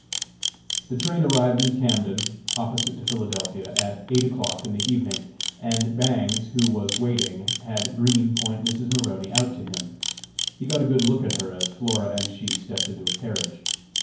The train arrived in Camden, opposite to Philadelphia, at eight o'clock in the evening, and Bangs, who was waiting, had Green point Mrs. Maroney out to him. He got a good look at her as Flora and she stepped into a carriage.